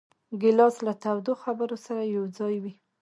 ګیلاس له تودو خبرو سره یوځای وي.